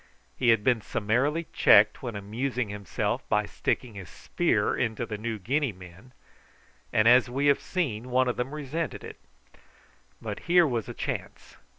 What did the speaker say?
He had been summarily checked when amusing himself by sticking his spear into the New Guinea men, and, as we have seen, one of them resented it; but here was a chance.